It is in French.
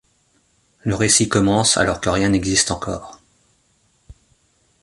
Le récit commence alors que rien n'existe encore.